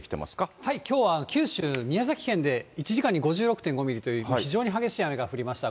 きょうは九州、宮崎県で１時間に５６．５ミリという非常に激しい雨が降りました。